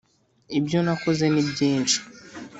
Ibyo nakoze ni byinshi